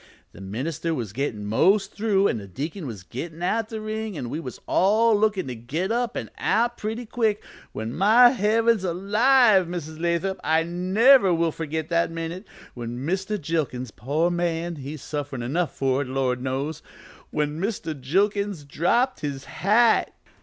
The minister was gettin' most through an' the deacon was gettin' out the ring, an' we was lookin' to get up an' out pretty quick, when my heavens alive, Mrs. Lathrop, I never will forget that minute when Mr. Jilkins poor man, he's sufferin' enough for it, Lord knows! when Mr. Jilkins dropped his hat!